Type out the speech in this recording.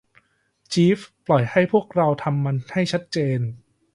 จีฟ ปล่อยให้พวกเราทำมันให้ชัดเจน